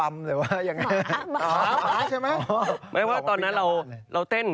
ไม่ว่าตอนนั้นเราเต้น